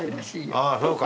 あそうか。